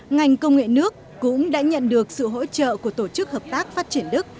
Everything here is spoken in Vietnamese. ngành công nghệ nước cũng đã nhận được sự hỗ trợ của tổ chức hợp tác phát triển đức